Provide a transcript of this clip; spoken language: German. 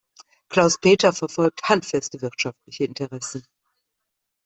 Klaus-Peter verfolgt handfeste wirtschaftliche Interessen.